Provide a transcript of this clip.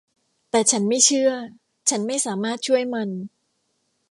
แต่ฉันไม่เชื่อ ฉันไม่สามารถช่วยมัน